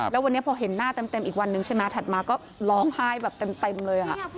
แล้ววันนี้พอเห็นหน้าเต็มอีกวันนึงใช่ไหมถัดมาก็ร้องไห้แบบเต็มเลย